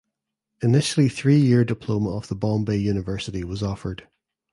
Initially three year diploma of the Bombay University was offered.